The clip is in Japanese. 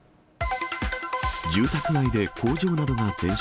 住宅街で工場などが全焼。